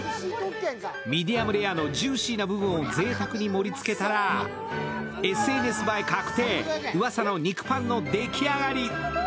ミディアムレアのジューシーな部分をぜいたくに盛りつけたらＳＮＳ映え確定、噂の肉ぱんの出来上がり。